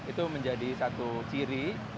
itu menjadi satu ciri